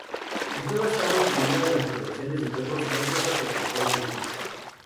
El juego estaba incluido en las colecciones de juegos Microsoft Entertainment Pack.